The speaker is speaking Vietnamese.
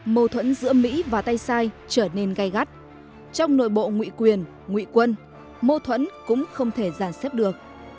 mâu thuẫn giữa mỹ và tay sai trở nên gây gắt trong nội bộ ngụy quyền ngụy quân mâu thuẫn cũng không thể giàn xếp được